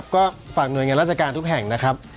ก็ฝากหน่วยงานราชการทุกแห่งนะครับ